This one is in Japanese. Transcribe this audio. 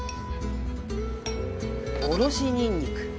おろしにんにく。